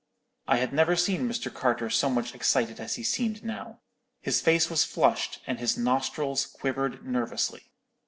"I had never seen Mr. Carter so much excited as he seemed now. His face was flushed, and his nostrils quivered nervously.